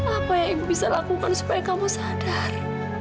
apa yang ibu bisa lakukan supaya kamu sadar